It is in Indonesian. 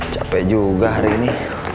cape juga hari ini